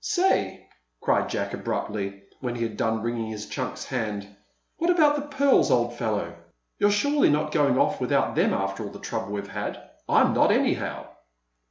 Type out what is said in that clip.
"Say!" cried Jack abruptly, when he had done wringing his chunks hand, "what about the pearls, old fellow? You're surely not going off without them after all the trouble we've had? I'm not, anyhow!"